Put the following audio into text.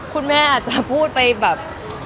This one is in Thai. คุณแม่อาจจะพูดไปแบบ